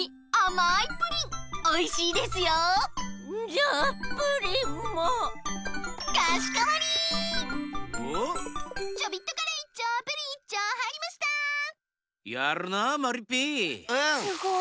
すごい。